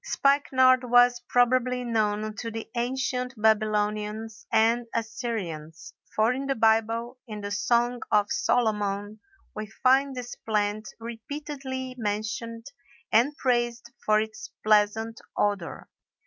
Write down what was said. Spikenard was probably known to the ancient Babylonians and Assyrians, for in the Bible, in the Song of Solomon, we find this plant repeatedly mentioned and praised for its pleasant odor.